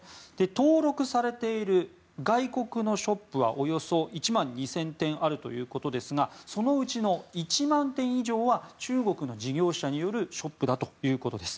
登録されている外国のショップはおよそ１万２０００店あるということですがそのうちの１万店以上は中国の事業者によるショップだということです。